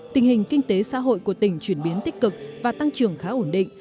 tình hình kinh tế xã hội của tỉnh chuyển biến tích cực và tăng trưởng khá ổn định